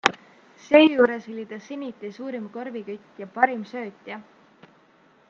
Seejuures oli ta Zeniti suurim korvikütt ja parim söötja.